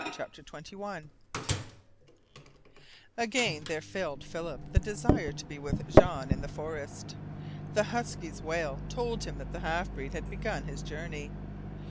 CHAPTER TWENTY ONE Again there filled Philip the desire to be with Jean in the forest. The husky's wail told him that the half breed had begun his journey.